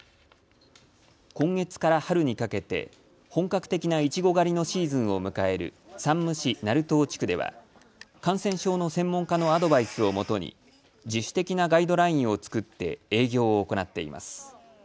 今月から春にかけて本格的ないちご狩りのシーズンを迎える山武市成東地区では感染症の専門家のアドバイスをもとに自主的なガイドラインを作って営業を行っています。